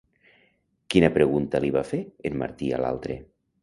Quina pregunta li va fer en Martí a l'altre?